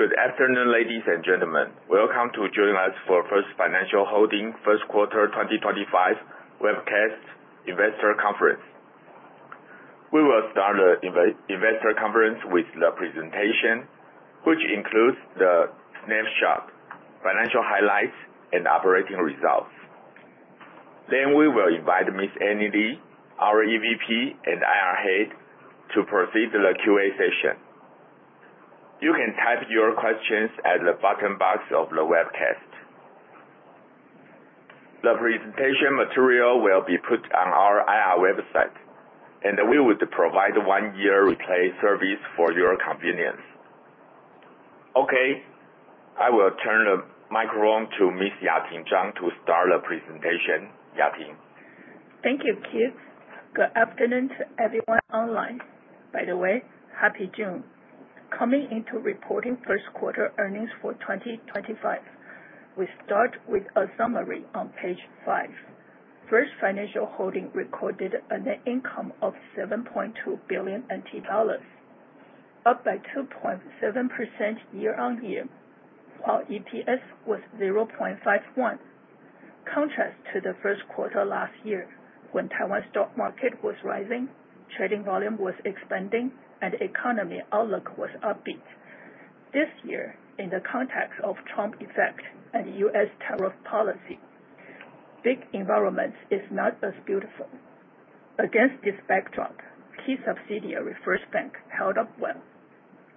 Good afternoon, ladies and gentlemen. Welcome to join us for First Financial Holding First Quarter 2025 Webcast Investor Conference. We will start the investor conference with the presentation, which includes the snapshot, financial highlights, and operating results. We will invite Ms. Annie Lee, our EVP and IR Head, to proceed to the QA session. You can type your questions at the bottom box of the webcast. The presentation material will be put on our IR website, and we will provide one-year replay service for your convenience. Okay, I will turn the microphone to Ms. Yating Chang to start the presentation. Ya-ting. Thank you, Keith. Good afternoon to everyone online. By the way, happy June. Coming into reporting first quarter earnings for 2025, we start with a summary on page five. First Financial Holding recorded a net income of 7.2 billion NT dollars, up by 2.7% YoY, while EPS was 0.51. Contrast to the first quarter last year, when Taiwan stock market was rising, trading volume was expanding, and economy outlook was upbeat. This year, in the context of Trump effect and U.S. tariff policy, big environment is not as beautiful. Against this backdrop, key subsidiary, First Bank, held up well.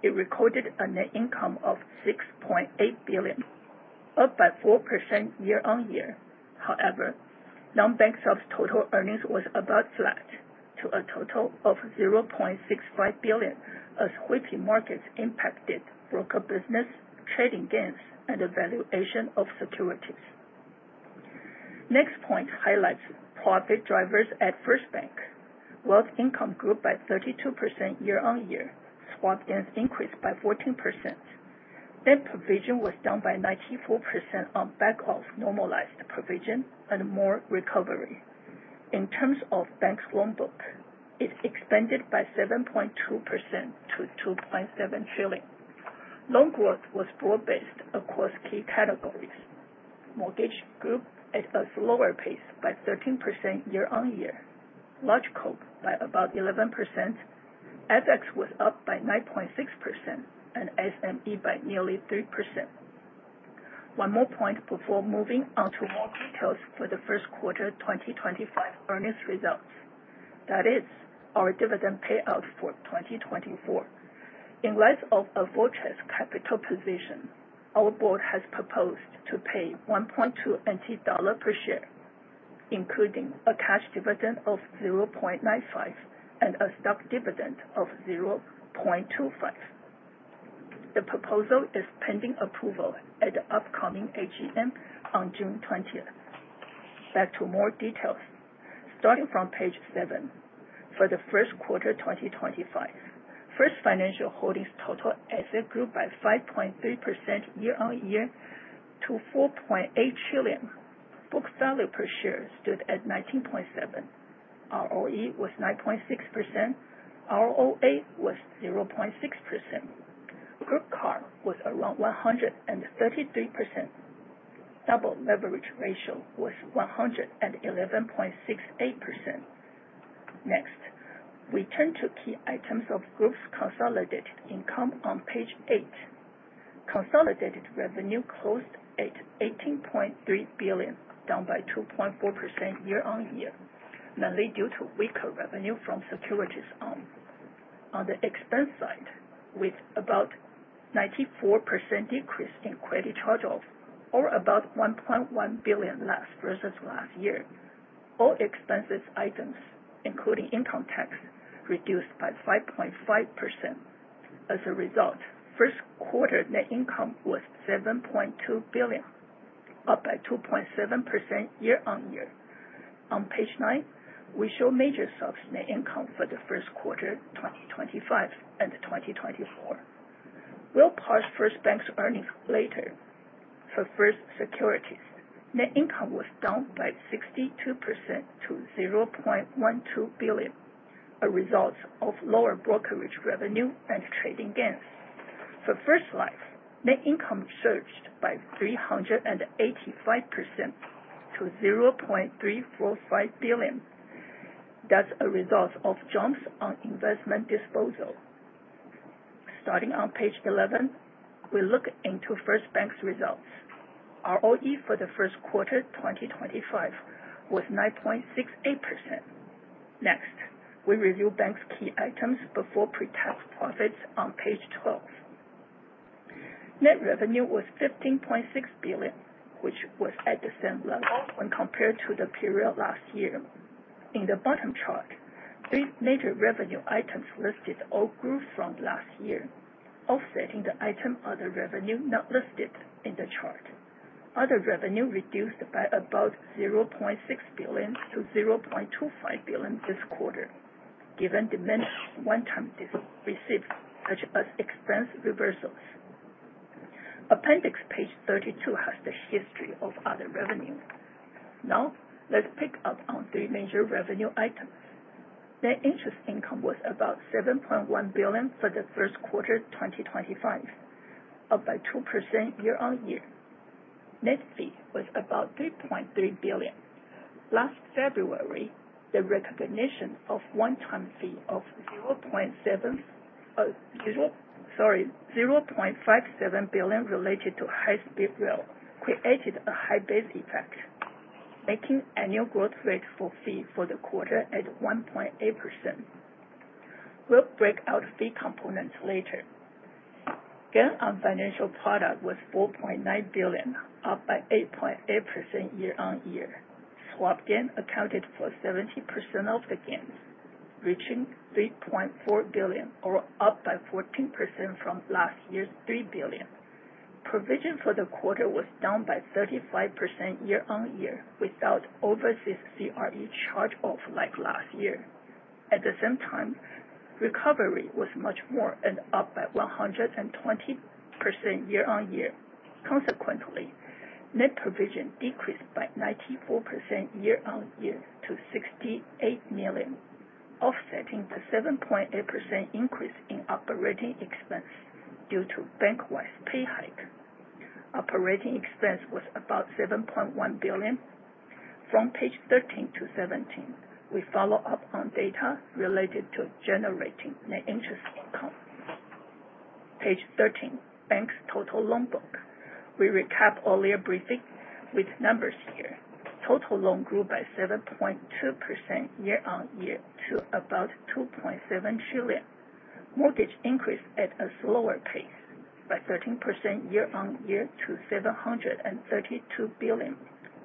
It recorded a net income of 6.8 billion, up by 4% YoY. Nonbank subs' total earnings was about flat to a total of 0.65 billion, as whipping markets impacted broker business, trading gains, and the valuation of securities. Next point highlights profit drivers at First Bank. Wealth income grew by 32% YoY. Swap gains increased by 14%. Net provision was down by 94% on back of normalized provision and more recovery. In terms of bank's loan book, it expanded by 7.2% to 2.7 trillion. Loan growth was broad-based across key categories. Mortgage grew at a slower pace by 13% YoY, large corp by about 11%, FX was up by 9.6%, and SME by nearly 3%. One more point before moving on to more details for the first quarter 2025 earnings results. That is our dividend payout for 2024. In light of a fortress capital position, our board has proposed to pay 1.20 NT dollar per share, including a cash dividend of 0.95 and a stock dividend of 0.25. The proposal is pending approval at the upcoming AGM on June 20th. Back to more details. Starting from page seven. For the first quarter 2025, First Financial Holding's total asset grew by 5.3% YoY to 4.8 trillion. Book value per share stood at 19.7. ROE was 9.6%. ROA was 0.6%. Group CAR was around 133%. Double leverage ratio was 111.68%. We turn to key items of group's consolidated income on page eight. Consolidated revenue closed at 18.3 billion, down by 2.4% YoY, mainly due to weaker revenue from securities arm. On the expense side, with about 94% decrease in credit charge-offs or about 1.1 billion less versus last year, all expenses items, including income tax, reduced by 5.5%. First quarter net income was 7.2 billion, up by 2.7% YoY. On page nine, we show major subs' net income for the first quarter 2025 and 2024. We'll parse First Bank's earnings later. For First Securities, net income was down by 62% to 0.12 billion, a result of lower brokerage revenue and trading gains. For First Life, net income surged by 385% to 0.345 billion. That's a result of jumps on investment disposal. Starting on page 11, we look into First Bank's results. ROE for the first quarter 2025 was 9.68%. Next, we review bank's key items before pre-tax profits on page 12. Net revenue was 15.6 billion, which was at the same level when compared to the period last year. In the bottom chart, three major revenue items listed all grew from last year, offsetting the item other revenue not listed in the chart. Other revenue reduced by about 0.6 billion to 0.25 billion this quarter, given the many one-time receipts such as expense reversals. Appendix page 32 has the history of other revenue. Now, let's pick up on three major revenue items. Net interest income was about 7.1 billion for the first quarter 2025, up by 2% year-on-year. Net fee was about 3.3 billion. Last February, the recognition of one-time fee of 0.57 billion related to high-speed rail created a high base effect, making annual growth rate for fee for the quarter at 1.8%. We'll break out fee components later. Gain on financial product was 4.9 billion, up by 8.8% year-on-year. Swap gain accounted for 70% of the gains, reaching 3.4 billion or up by 14% from last year's 3 billion. Provision for the quarter was down by 35% year-on-year without overseas CRE charge-off like last year. At the same time, recovery was much more and up by 120% year-on-year. Consequently, net provision decreased by 94% year-on-year to 68 million, offsetting the 7.8% increase in operating expense due to bank-wide pay hike. Operating expense was about 7.1 billion. From page 13 to 17, we follow up on data related to generating net interest income. Page 13, bank's total loan book. We recap earlier briefing with numbers here. Total loan grew by 7.2% year-on-year to about 2.7 trillion. Mortgage increased at a slower pace, by 13% year-on-year to 732 billion.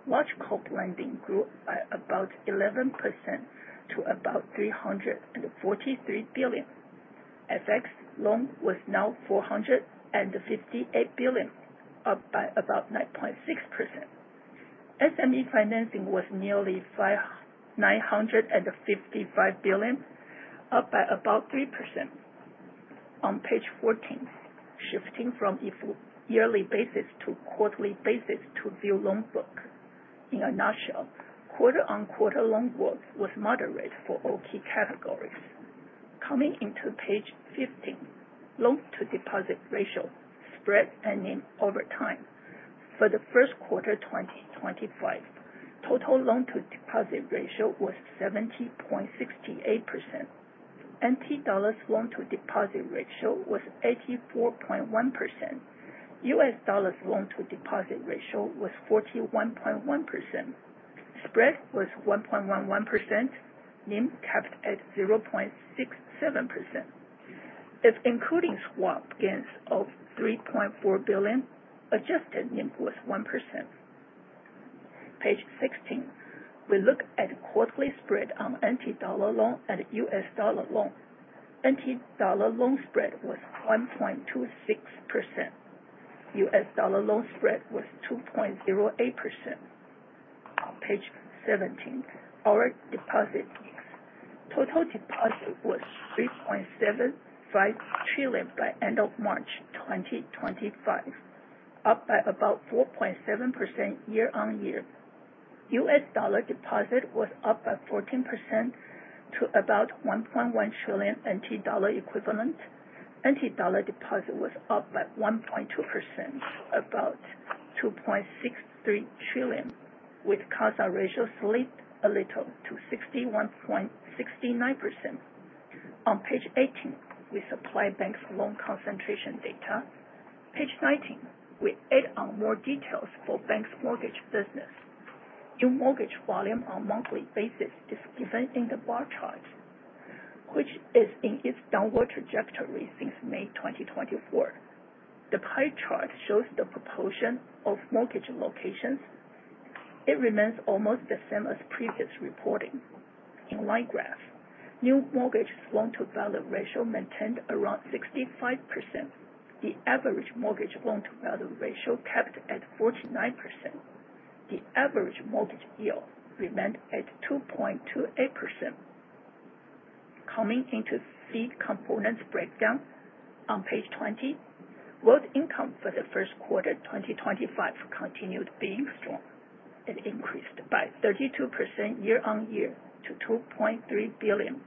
Large corp lending grew by about 11% to about 343 billion. FX loan was now 458 billion, up by about 9.6%. SME financing was nearly 955 billion, up by about 3%. On page 14, shifting from a yearly basis to quarterly basis to view loan book. In a nutshell, quarter-on-quarter loan book was moderate for all key categories. Coming into page 15, loan-to-deposit ratio, spread, and NIM over time. For the first quarter 2025, total loan-to-deposit ratio was 70.68%. NT dollars loan-to-deposit ratio was 84.1%. US dollars loan-to-deposit ratio was 41.1%. Spread was 1.11%. NIM capped at 0.67%. If including swap gains of 3.4 billion, adjusted NIM was 1%. Page 16, we look at quarterly spread on NT dollar loan and US dollar loan. NT dollar loan spread was 1.26%. US dollar loan spread was 2.08%. On page 17, our deposit mix. Total deposit was 3.75 trillion by end of March 2025, up by about 4.7% year-on-year. US dollar deposit was up by 14% to about 1.1 trillion NT dollar equivalent. NT dollar deposit was up by 1.2%, about 2.63 trillion, with CASA ratio slipped a little to 61.69%. On page 18, we supply bank's loan concentration data. Page 19, we add on more details for bank's mortgage business. New mortgage volume on monthly basis is given in the bar chart, which is in its downward trajectory since May 2024. The pie chart shows the proportion of mortgage locations. It remains almost the same as previous reporting. In line graph, new mortgage loan-to-value ratio maintained around 65%. The average mortgage loan-to-value ratio capped at 49%. The average mortgage yield remained at 2.28%. Coming into fee components breakdown on page 20. Wealth income for the first quarter 2025 continued being strong, increased by 32% year-over-year to 2.3 billion.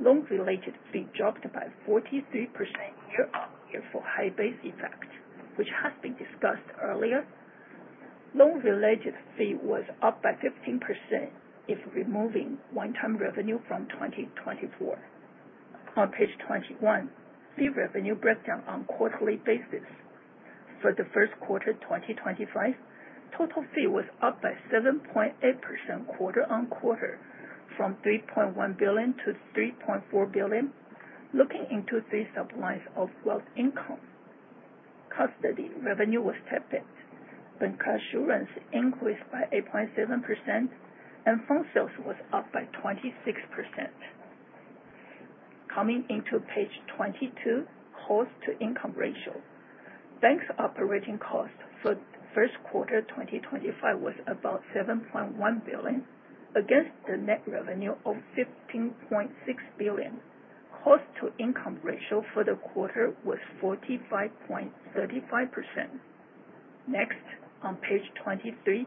Loan-related fee dropped by 43% year-over-year for high base effect, which has been discussed earlier. Loan-related fee was up by 15% if removing one-time revenue from 2024. On page 21, fee revenue breakdown on quarterly basis. For the first quarter 2025, total fee was up by 7.8% quarter-over-quarter from 3.1 billion to 3.4 billion. Looking into three sub-lines of wealth income. Custody revenue was tapped, bancassurance increased by 8.7%, and fund sales was up by 26%. Coming into page 22, cost to income ratio. Bank's operating cost for the first quarter 2025 was about 7.1 billion against the net revenue of 15.6 billion. Cost to income ratio for the quarter was 45.35%. Next, on page 23,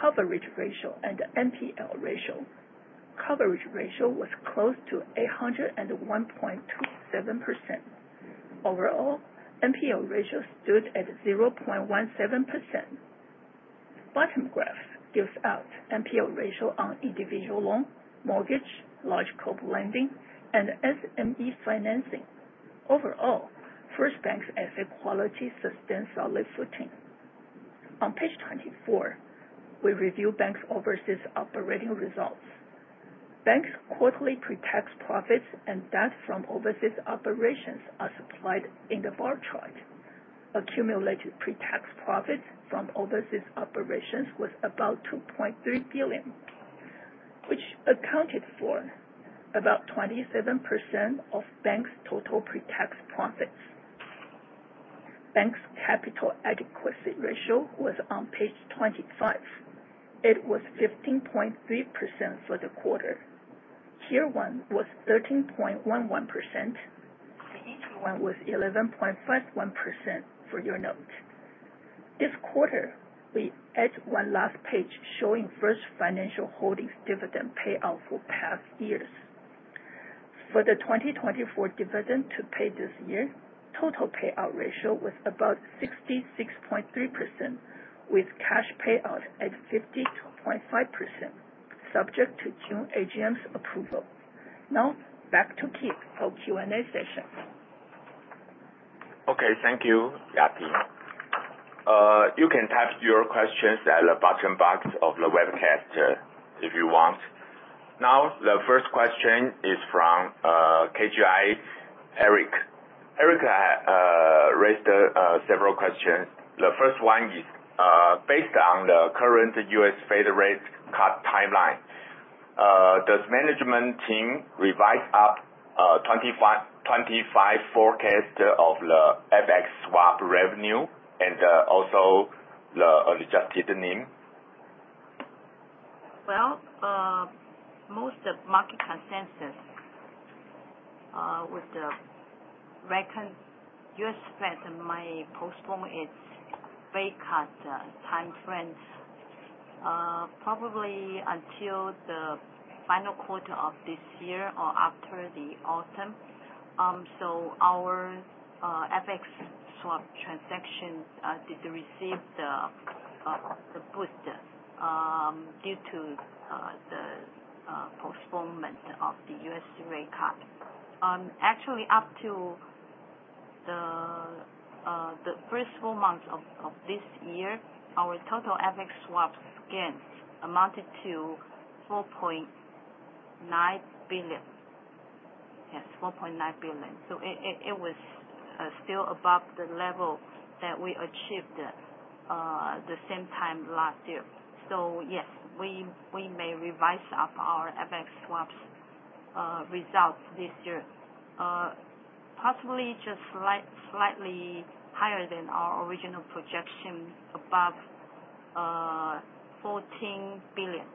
coverage ratio and NPL ratio. Coverage ratio was close to 801.27%. Overall, NPL ratio stood at 0.17%. Bottom graph gives out NPL ratio on individual loan, mortgage, large corporate lending, and SME financing. Overall, First Bank's asset quality sustained solid footing. On page 24, we review bank's overseas operating results. Bank's quarterly pre-tax profits and debt from overseas operations are supplied in the bar chart. Accumulated pre-tax profits from overseas operations was about 2.3 billion, which accounted for about 27% of bank's total pre-tax profits. Bank's capital adequacy ratio was on page 25. It was 15.3% for the quarter. Tier 1 was 13.11%, and H1 was 11.51% for your note. This quarter, we add one last page showing First Financial Holding's dividend payout for past years. For the 2024 dividend to pay this year, total payout ratio was about 66.3%, with cash payout at 52.5%, subject to June AGM's approval. Back to Keith for Q&A session. Thank you, Yati. You can type your questions at the bottom box of the webcast if you want. The first question is from KGI, Eric. Eric raised several questions. The first one is, based on the current US Fed rate cut timeline, does management team revise up 2025 forecast of the FX swap revenue and also the adjusted NIM? Most of market consensus would reckon U.S. Fed might postpone its rate cut time trends probably until the final quarter of this year or after the autumn. Our FX swap transactions did receive the boost due to the postponement of the U.S. rate cut. Actually, up to the first four months of this year, our total FX swap gains amounted to 4.9 billion. Yes, 4.9 billion. It was still above the level that we achieved the same time last year. Yes, we may revise up our FX swaps results this year. Possibly just slightly higher than our original projection, above TWD 14 billion.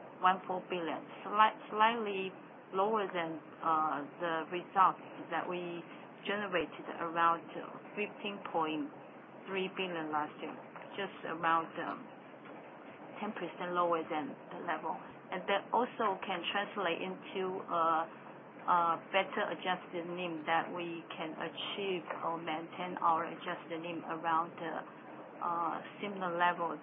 Slightly lower than the results that we generated around 15.3 billion last year. Just around 10% lower than the level. That also can translate into a better adjusted NIM that we can achieve or maintain our adjusted NIM around the similar levels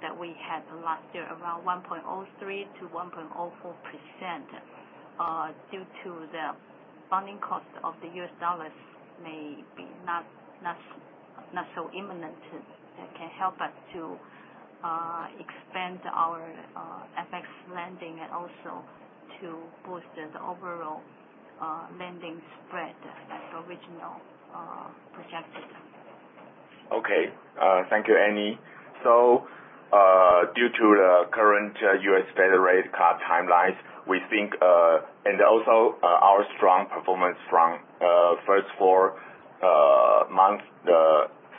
that we had last year, around 1.03%-1.04%, due to the funding cost of the U.S. dollars may be not so imminent. That can help us to expand our FX lending and also to boost the overall lending spread as original projected. Okay. Thank you, Annie. Due to the current U.S. Fed rate cut timelines, also our strong performance from first four month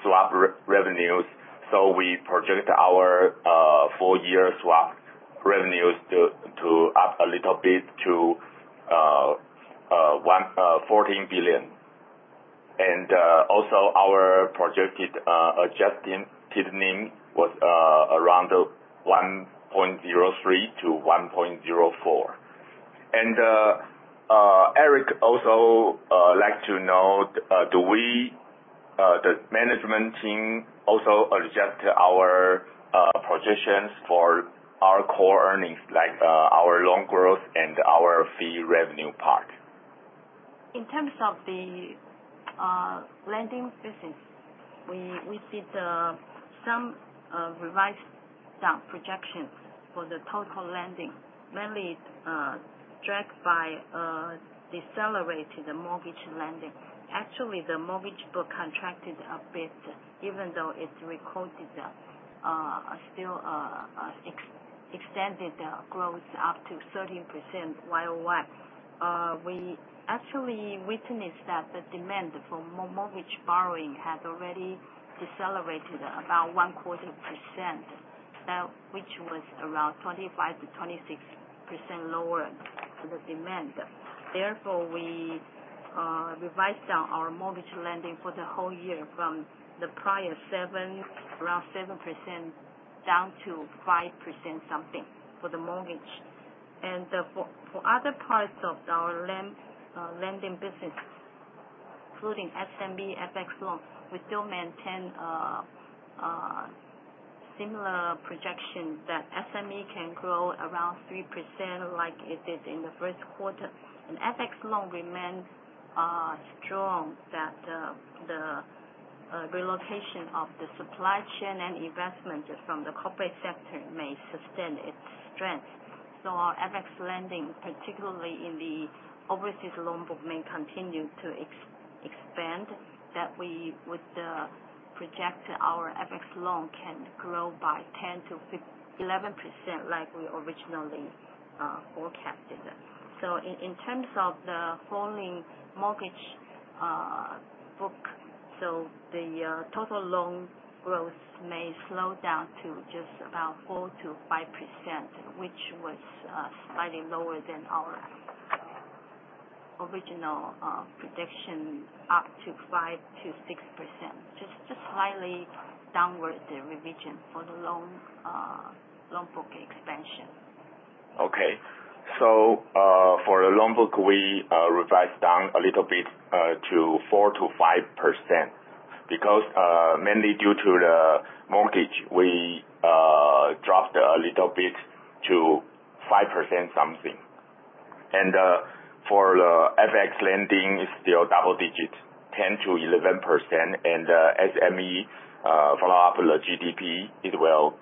swap revenues, we project our full year swap revenues to up a little bit to 14 billion. Also our projected adjusted NIM was around 1.03%-1.04%. Eric also like to know, do we, the management team, also adjust our projections for our core earnings, like our loan growth and our fee revenue part? In terms of the lending business, we see some revised down projections for the total lending, mainly dragged by decelerated mortgage lending. Actually, the mortgage book contracted a bit, even though it recorded a still extended growth up to 13% YoY. We actually witnessed that the demand for mortgage borrowing had already decelerated about one quarter percent. which was around 25%-26% lower for the demand. Therefore, we revised down our mortgage lending for the whole year from the prior 7%, around 7%, down to 5% something for the mortgage. For other parts of our lending business, including SME FX loan, we still maintain a similar projection that SME can grow around 3% like it did in the first quarter. In FX loan, we remain strong that the relocation of the supply chain and investment from the corporate sector may sustain its strength. Our FX lending, particularly in the overseas loan book, may continue to expand, that we would project our FX loan can grow by 10%-11%, like we originally forecasted. In terms of the falling mortgage book, so the total loan growth may slow down to just about 4%-5%, which was slightly lower than our original projection, up to 5%-6%. Just a slightly downward revision for the loan book expansion. Okay. For the loan book, we revised down a little bit to 4%-5%, because mainly due to the mortgage, we dropped a little bit to 5% something. For the FX lending, it's still double digits, 10%-11%. SME, follow up the GDP, it will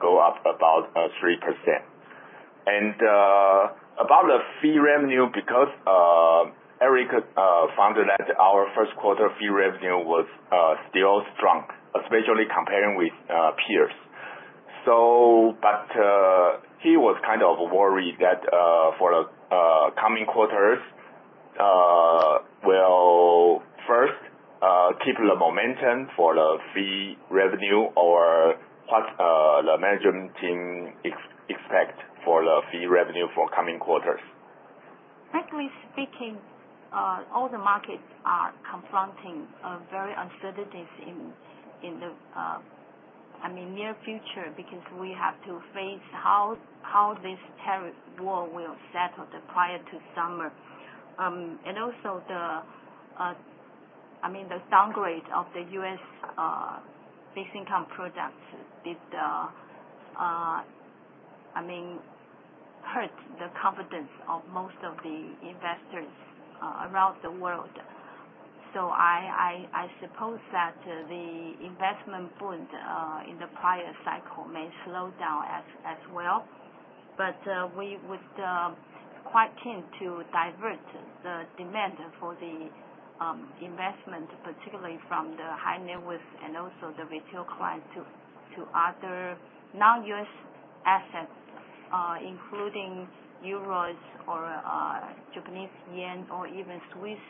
go up about 3%. About the fee revenue, because Eric found that our first quarter fee revenue was still strong, especially comparing with peers. He was kind of worried that for the coming quarters, will First keep the momentum for the fee revenue or what the management team expect for the fee revenue for coming quarters? Technically speaking, all the markets are confronting a very uncertainties in the near future because we have to face how this tariff war will settle the prior to summer. Also the downgrade of the U.S. gross income products did hurt the confidence of most of the investors around the world. I suppose that the investment boom in the prior cycle may slow down as well. We would quite keen to divert the demand for the investment, particularly from the high net worth and also the retail clients to other non-U.S. assets, including euros or Japanese yen or even Swiss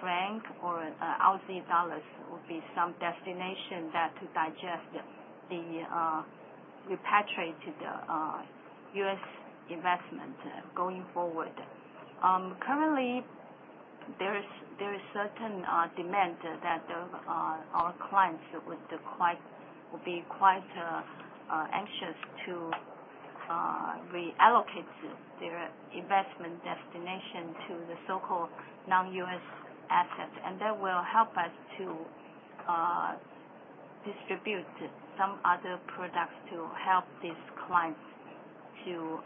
franc or Aussie dollars would be some destination that to digest the repatriated U.S. investment going forward. Currently, there is certain demand that our clients would be quite anxious to reallocate their investment destination to the so-called non-U.S. assets, and that will help us to distribute some other products to help these clients to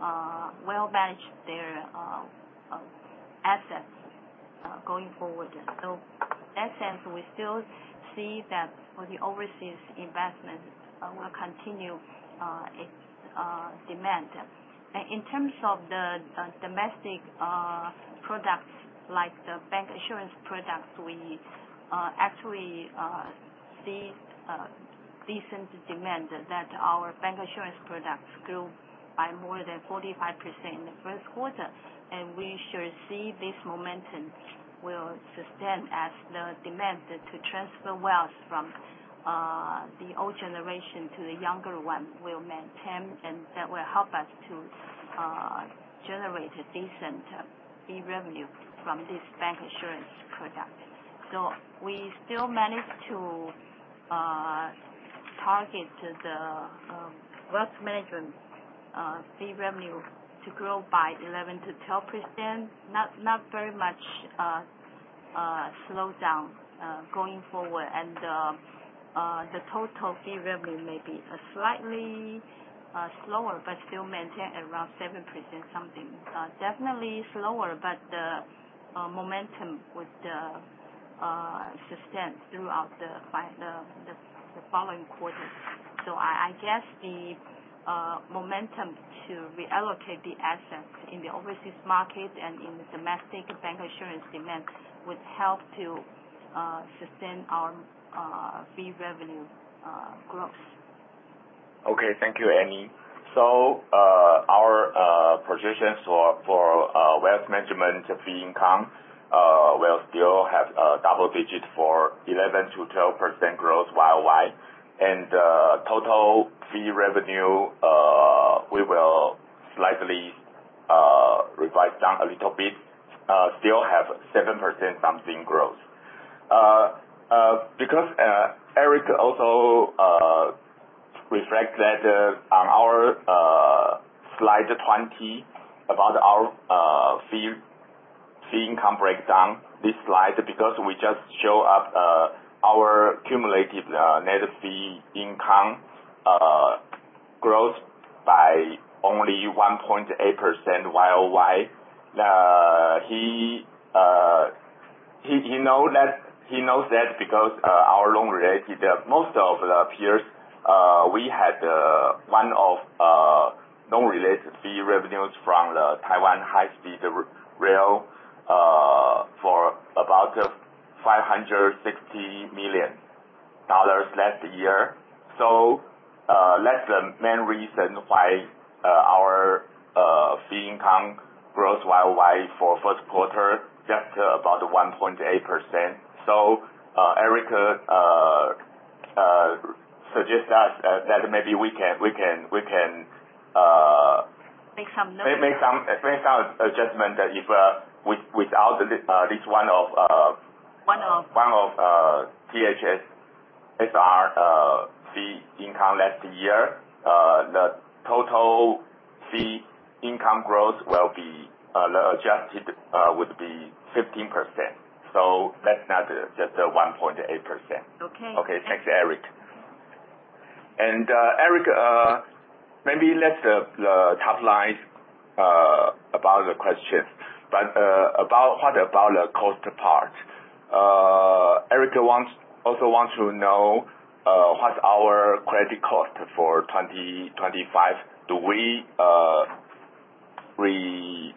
well manage their assets going forward. In that sense, we still see that for the overseas investment will continue demand. In terms of the domestic products like the bancassurance products, we actually see decent demand that our bancassurance products grew by more than 45% in the first quarter. We should see this momentum will sustain as the demand to transfer wealth from the old generation to the younger one will maintain, and that will help us to generate a decent fee revenue from this bancassurance product. We still managed to target the wealth management fee revenue to grow by 11%-12%, not very much slowdown going forward. The total fee revenue may be slightly slower but still maintain around 7% something. Definitely slower, but the momentum would sustain throughout the following quarters. I guess the momentum to reallocate the assets in the overseas market and in the domestic bancassurance demand would help to sustain our fee revenue growth. Okay. Thank you, Annie. Our projections for wealth management fee income will still have double digits for 11%-12% growth YoY. Total fee revenue, we will slightly revise down a little bit. Still have 7% something growth. Eric also reflect that on our slide 20 about our fee income breakdown, this slide, because we just show up our cumulative net fee income growth by only 1.8% YoY. He knows that because our loan related, most of the peers, we had one of non-related fee revenues from the Taiwan High Speed Rail for about 560 million dollars last year. That's the main reason why our fee income grows YoY for first quarter, just about 1.8%. Eric suggest that maybe we can- Make some note. make some adjustment that if without this One of one of THSR fee income last year, the total fee income growth adjusted would be 15%. That's not just a 1.8%. Okay. Okay, thanks, Eric. Eric, maybe that's the top line about the questions. What about the cost part? Eric also want to know what's our credit cost for 2025. Do we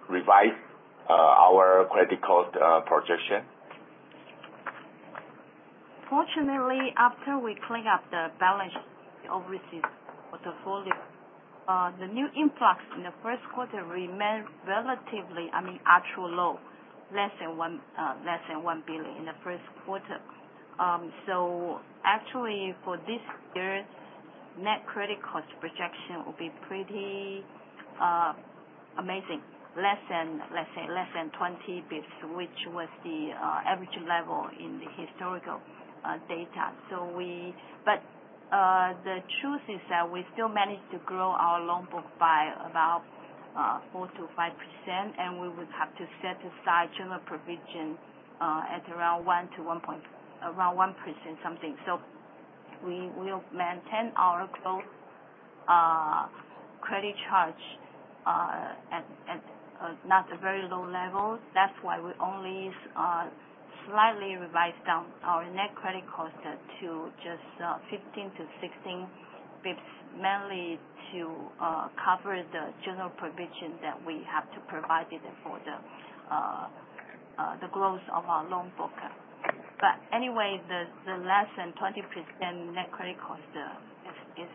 revise our credit cost projection? Fortunately, after we clean up the balance overseas portfolio, the new influx in the first quarter remained relatively, I mean, actual low, less than 1 billion in the first quarter. Actually, for this year, net credit cost projection will be pretty amazing, let's say less than 20 bps, which was the average level in the historical data. The truth is that we still managed to grow our loan book by about 4%-5%, and we would have to set aside general provision at around 1% something. We will maintain our close credit charge at not a very low level. That's why we only slightly revise down our net credit cost to just 15-16 bps, mainly to cover the general provision that we have to provide for the growth of our loan book. Anyway, the less than 20% net credit cost is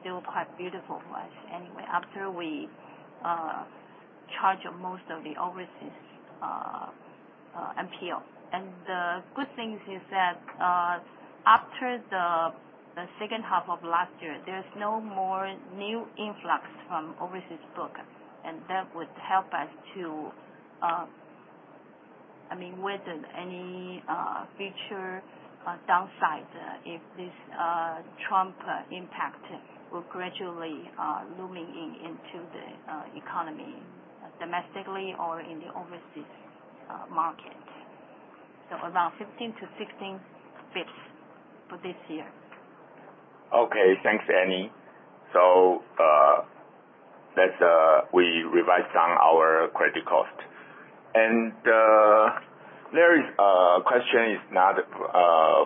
still quite beautiful for us anyway, after we charge most of the overseas NPL. The good thing is that after the second half of last year, there is no more new influx from overseas book, and that would help us to with any future downside if this Trump impact will gradually looming into the economy domestically or in the overseas market. Around 15-16 bps for this year. Okay. Thanks, Annie. We revise down our credit cost. There is a question, it's not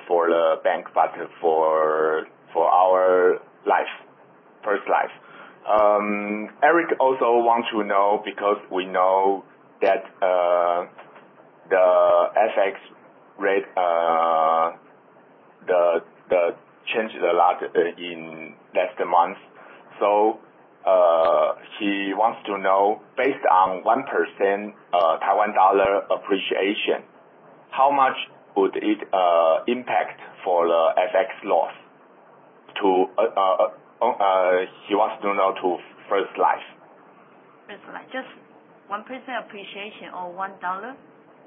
for the bank, but for our life, First Life. Eric also want to know, because we know that the FX rate changed a lot in last month. He wants to know, based on 1% TWD appreciation, how much would it impact for the FX loss? He wants to know to First Life. First Life. Just 1% appreciation or 1 dollar?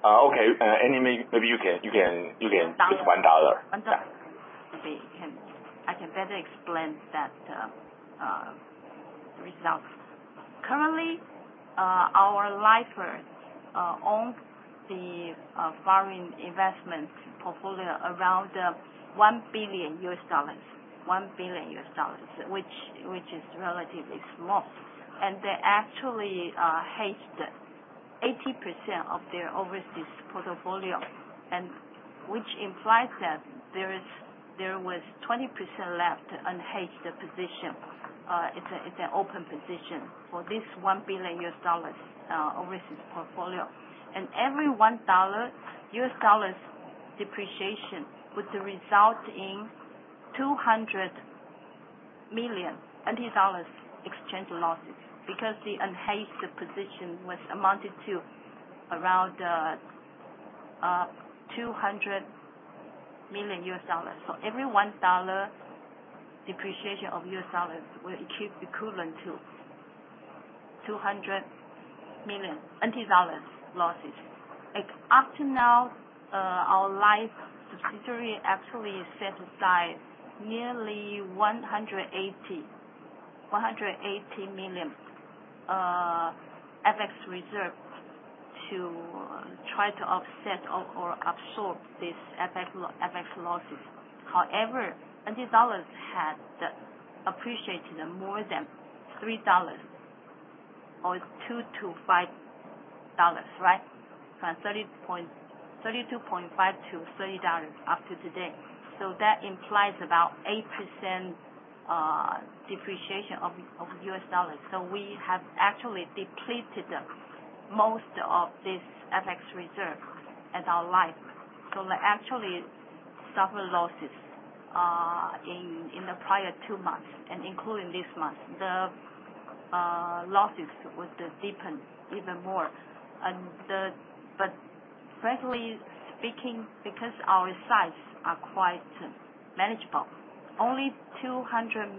Okay. Maybe you can Dollar. just $1. One dollar. Yeah. Okay. I can better explain that results. Currently, our lifers own the foreign investment portfolio around $1 billion, which is relatively small. They actually hedged 80% of their overseas portfolio, which implies that there was 20% left unhedged position. It is an open position for this $1 billion overseas portfolio. Every $1 US dollars depreciation would result in 200 million NT dollars exchange losses because the unhedged position was amounted to around TWD 200 million. Every $1 depreciation of US dollars will keep equivalent to 200 million NT dollars losses. Up to now, our life subsidiary actually set aside nearly 180 million FX reserve to try to offset or absorb these FX losses. However, NT dollars had appreciated more than TWD three or TWD two to TWD five, right? From 32.5 to 30 dollars after today. That implies about 8% depreciation of US dollars. We have actually depleted most of this FX reserve at our First Life. Actually suffered losses in the prior two months, and including this month. The losses would deepen even more. Frankly speaking, because our size are quite manageable, only $200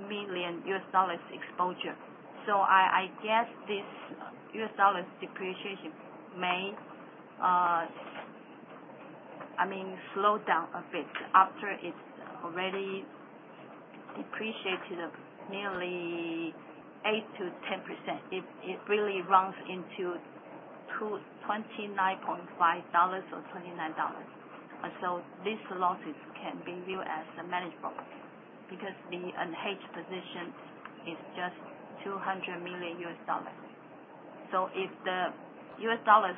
million US dollars exposure. I guess this US dollars depreciation may slow down a bit after it's already depreciated nearly 8%-10%. It really runs into $29.5 or $29. These losses can be viewed as manageable because the unhedged position is just $200 million. If the US dollars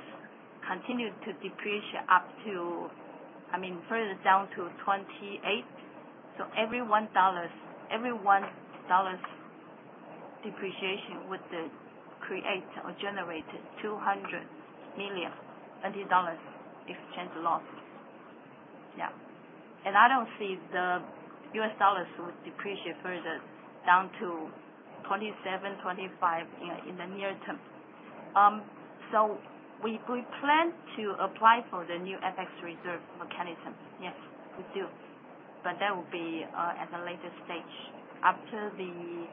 continue to depreciate further down to 28, every $1 depreciation would create or generate 200 million dollars exchange loss. I don't see the US dollars would depreciate further down to 27, 25 in the near term. We plan to apply for the new FX reserve mechanism. Yes, we do. That will be at a later stage after the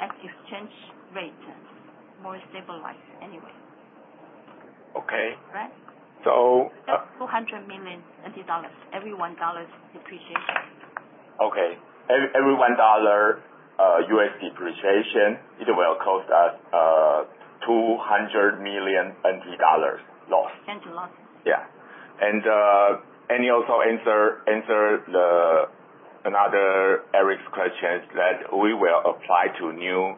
exchange rate more stabilized anyway. Okay. Right? So- 400 million dollars, every $1 depreciation. Okay. Every $1 U.S. depreciation, it will cost us 200 million dollars loss. NT loss. Yeah. You also answered another Eric’s question, that we will apply to new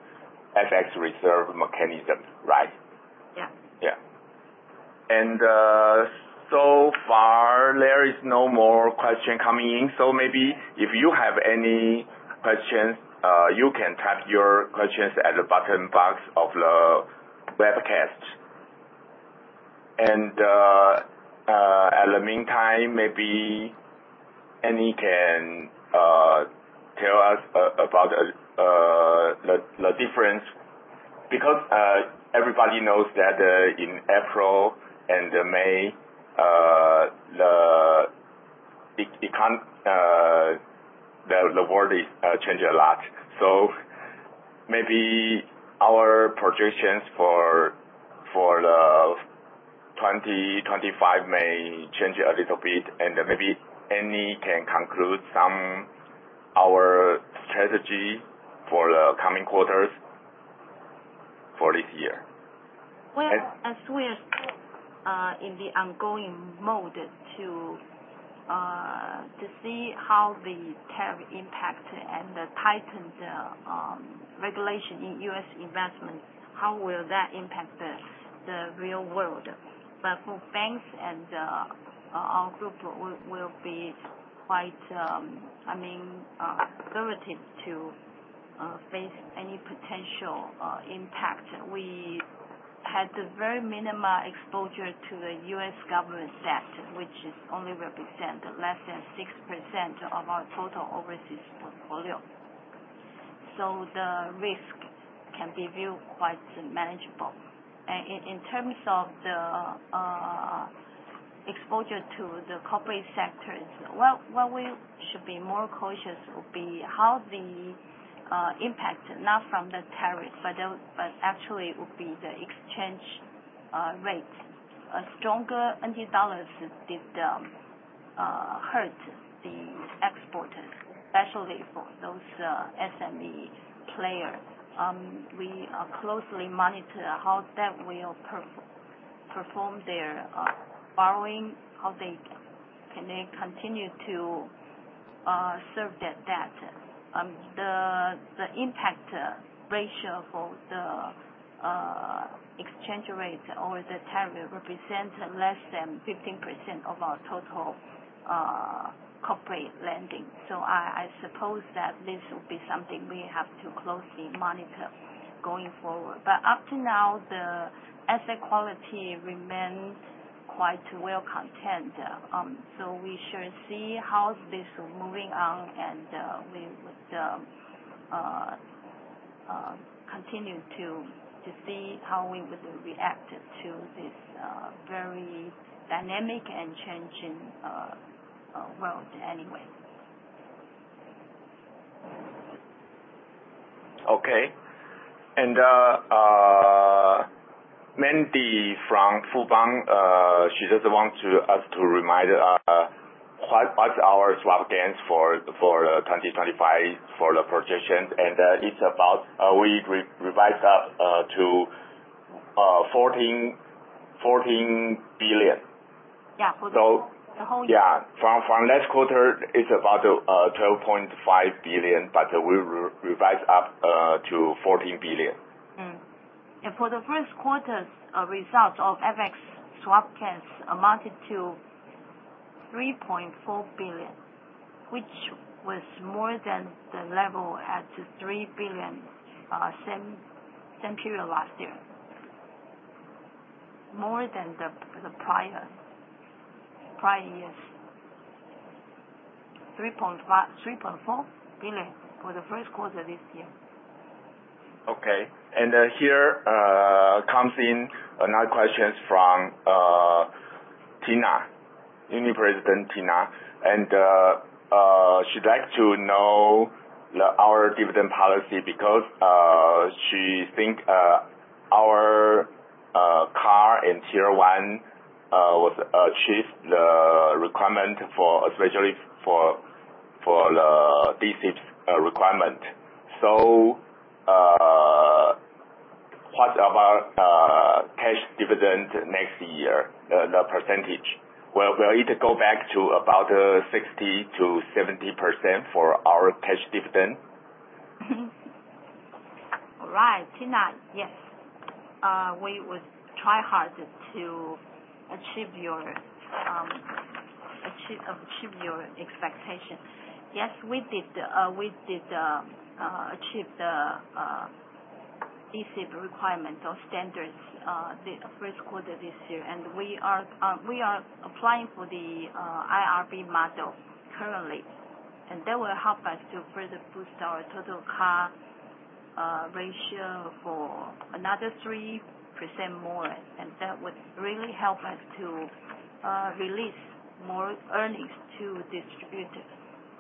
FX reserve mechanism, right? Yeah. Yeah. So far, there is no more question coming in. Maybe if you have any questions, you can type your questions at the bottom box of the webcast. At the meantime, maybe Annie can tell us about the difference, because everybody knows that in April and May, the world is changing a lot. Maybe our projections for 2025 may change a little bit and maybe Annie can conclude some our strategy for the coming quarters for this year. As we are still in the ongoing mode to see how the tariff impact and the tightened regulation in U.S. investments, how will that impact the real world. For banks and our group, we will be quite relative to face any potential impact. We had a very minimal exposure to the U.S. government debt, which is only represent less than 6% of our total overseas portfolio. The risk can be viewed quite manageable. In terms of the exposure to the corporate sectors, well, where we should be more cautious would be how the impact, not from the tariff, but actually would be the exchange rate. A stronger NT dollars did hurt the export, especially for those SME players. We are closely monitor how that will perform their borrowing, how they can continue to serve their debt. The impact ratio for the exchange rate or the tariff represent less than 15% of our total corporate lending. I suppose that this will be something we have to closely monitor going forward. Up to now, the asset quality remains quite well content. We should see how this is moving on and we would continue to see how we would react to this very dynamic and changing world anyway. Okay. Mandy from Fubon, she just wants us to remind us what's our swap gains for 2025 for the projections. We revised up to 14 billion. Yeah. For the whole year. Yeah. From last quarter, it's about 12.5 billion. We revised up to 14 billion. For the first quarter's results of FX swap gains amounted to 3.4 billion, which was more than the level at 3 billion same period last year. More than the prior years. 3.4 billion for the first quarter this year. Here comes in another question from Tina. Yuanta president Tina. She'd like to know our dividend policy because she thinks our CAR and Tier 1 was achieved the requirement especially for the BCBS requirement. What about cash dividend next year, the percentage? Will it go back to about 60%-70% for our cash dividend? Tina. Yes. We would try hard to achieve your expectation. Yes, we did achieve the BCBS requirement or standards the first quarter this year. We are applying for the IRB model currently. That will help us to further boost our total CAR ratio for another 3% more, that would really help us to release more earnings to distribute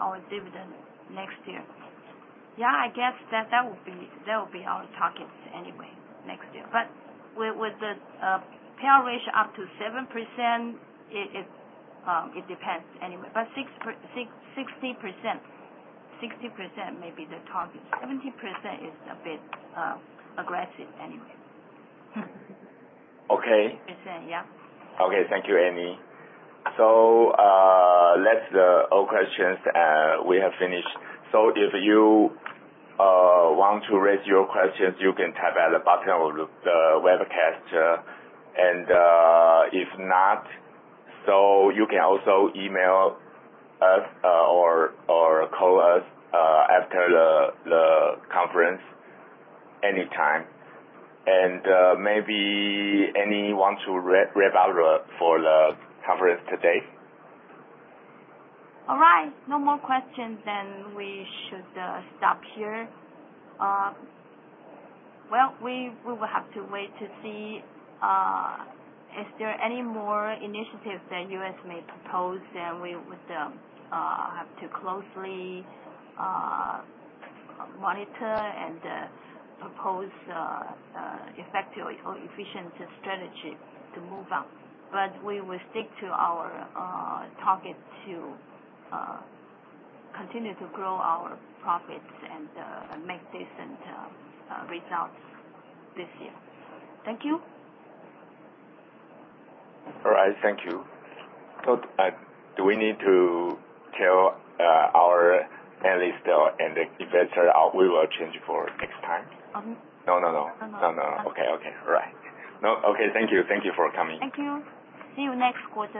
our dividend next year. I guess that will be our target anyway next year. With the payout ratio up to 7%, it depends anyway. 60% may be the target. 70% is a bit aggressive anyway. Okay. Percent. Okay. Thank you, Annie. That's all questions. We have finished. If you want to raise your questions, you can type at the bottom of the webcast. If not, you can also email us or call us after the conference anytime. Maybe Annie wants to wrap up for the conference today? All right. No more questions, we should stop here. Well, we will have to wait to see if there are any more initiatives that U.S. may propose, we would have to closely monitor and propose effective or efficient strategy to move on. We will stick to our target to continue to grow our profits and make decent results this year. Thank you. All right. Thank you. Do we need to tell our analysts and the investor we will change for next time? No. No. Okay. All right. Okay. Thank you for coming. Thank you. See you next quarter